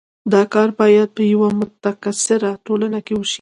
دا کار باید په یوه متکثره ټولنه کې وشي.